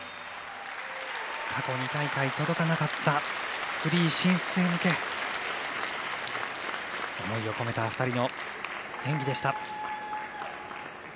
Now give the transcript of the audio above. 過去２大会、届かなかったフリー進出へ向け思いを込めた２人の演技でした。